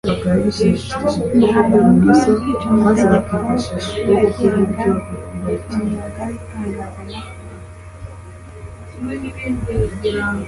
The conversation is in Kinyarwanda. naba ndi kwica amategeko agenga umwuga w'itangazamakuru,